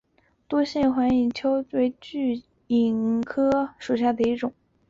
多腺远环蚓为巨蚓科远环蚓属下的一个种。